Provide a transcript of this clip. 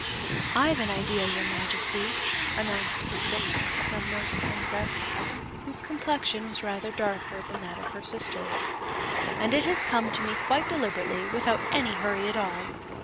"I've an idea, your Majesty," announced the sixth Snubnosed Princess, whose complexion was rather darker than that of her sisters, "and it has come to me quite deliberately, without any hurry at all.